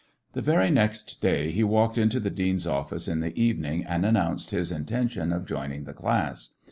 The very next day he walked into the dean's office in the evening and announced his intention of joining the class.